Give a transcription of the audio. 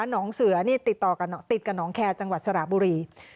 น้องเสือติดกับน้องแคจังหวัดสระบุรี